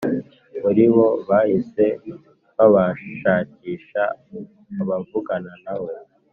muribo, bahise babashakisha abavugana nawe